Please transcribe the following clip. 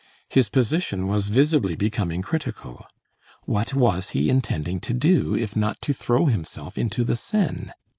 His position was visibly becoming critical. What was he intending to do, if not to throw himself into the Seine?